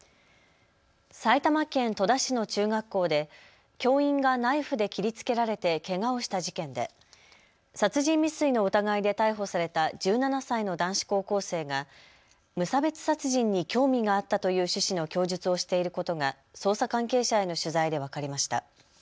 埼玉県戸田市の中学校で教員がナイフで切りつけられてけがをした事件で殺人未遂の疑いで逮捕された１７歳の男子高校生が無差別殺人に興味があったという趣旨の供述をしていることが捜査関係者への取材で分かりました。